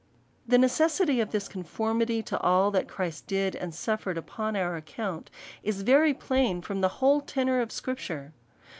The necessity of this conformity to all that Christ did, and suffered upon our account, is very plain from the whole tenor of Scripture.